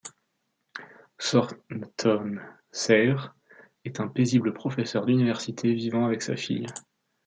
Thornton Sayre est un paisible professeur d'université, vivant avec sa fille.